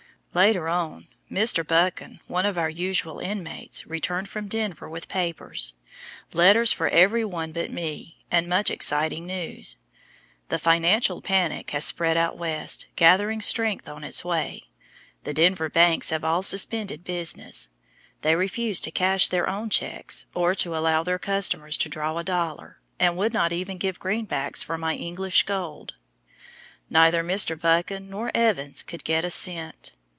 Later on, Mr. Buchan, one of our usual inmates, returned from Denver with papers, letters for every one but me, and much exciting news. The financial panic has spread out West, gathering strength on its way. The Denver banks have all suspended business. They refuse to cash their own checks, or to allow their customers to draw a dollar, and would not even give green backs for my English gold! Neither Mr. Buchan nor Evans could get a cent.